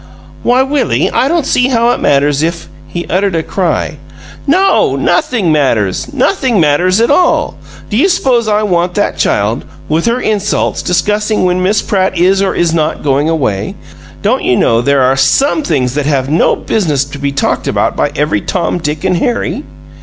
"Why, Willie, I don't see how it matters if " He uttered a cry. "No! Nothing matters! Nothing matters at all! Do you s'pose I want that child, with her insults, discussing when Miss Pratt is or is not going away? Don't you know there are SOME things that have no business to be talked about by every Tom, Dick, and Harry?"